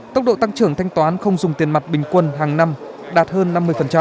tốc độ tăng trưởng thanh toán không dùng tiền mặt bình quân hàng năm đạt hơn năm mươi